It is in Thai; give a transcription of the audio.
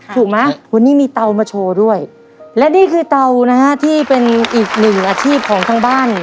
ถูกไหมวันนี้มีเตามาโชว์ด้วยและนี่คือเตานะฮะที่เป็นอีกหนึ่งอาชีพของทางบ้าน